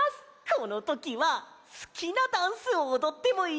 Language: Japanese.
このときはすきなダンスをおどってもいいぞ。